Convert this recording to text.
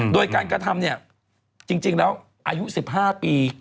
โดยการกระทำเนี่ยจริงแล้วอายุ๑๕ปี